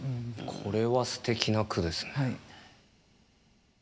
これはすてきな句ですね。